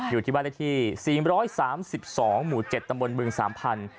อยู่ที่บ้านเลขที่๔๓๒หมู่๗ตำบลบึงสามพันธุ